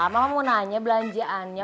mama mau nanya belanjaannya